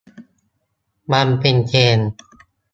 มันเป็นเทรนด์ ?